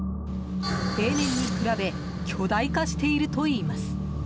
例年に比べ巨大化しているといいます。